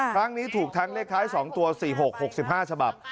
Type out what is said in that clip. ครั้งนี้ถูกทั้งเลขท้าย๒ตัว๔๖๖๕ฉบับ